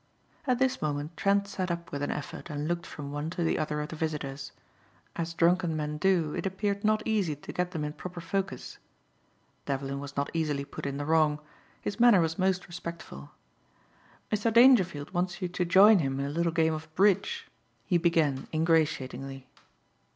At this moment Trent sat up with an effort and looked from one to the other of the visitors. As drunken men do, it appeared not easy to get them in proper focus. Devlin was not easily put in the wrong. His manner was most respectful. "Mr. Dangerfield wants you to join him in a little game of bridge," he began ingratiatingly.